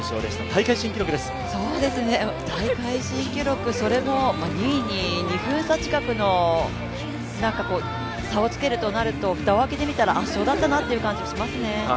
大会新記録それも２位に２分差近くの差をつけるとなると蓋を開けてみれば、圧勝だったなという感じがしますね。